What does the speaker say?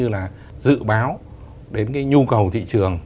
và dự báo đến cái nhu cầu thị trường